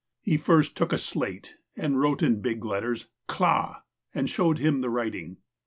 He first took a slate, and wrote in big letters, '' Clah," and showed him the writing.